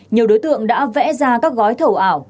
nhiều đối tượng đã vẽ ra các gói thầu ảo